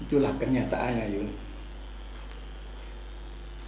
itulah kenyataannya yun